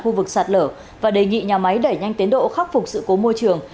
khu vực sạt lở và đề nghị nhà máy đẩy nhanh tiến độ khắc phục sự cố môi trường